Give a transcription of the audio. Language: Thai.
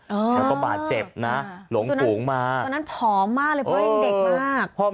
แล้วก็บาดเจ็บนะหลงฝูงมาตอนนั้นผอมมากเลยเพราะยังเด็กมาก